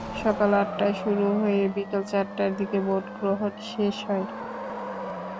সকাল আটটায় শুরু হয়ে বিকেল চারটার দিকে ভোট গ্রহণ শেষ হয়।